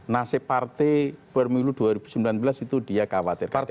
nasib partai bermilu dua ribu sembilan belas itu dia khawatirkan